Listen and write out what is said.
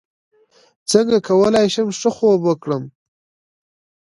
څنګه کولی شم ښه خوب وکړم